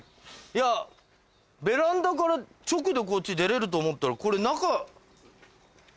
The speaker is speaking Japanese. いやベランダから直でこっち出れると思ったらこれ中。